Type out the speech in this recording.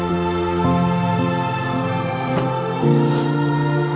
aku mau denger